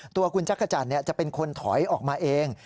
ตัวคุณจักรจันทร์จะเป็นคนถอยออกมาเอง